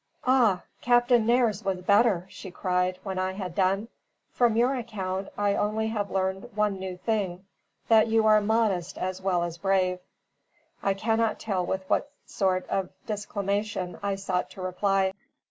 "Ah! Captain Nares was better," she cried, when I had done. "From your account, I have only learned one new thing, that you are modest as well as brave." I cannot tell with what sort of disclamation I sought to reply.